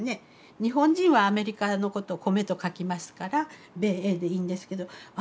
日本人はアメリカのことを「米」と書きますから「米英」でいいんですけどあ